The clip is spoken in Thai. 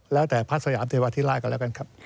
แล้วแต่พระสยามเทวาธิราชก็แล้วกันครับ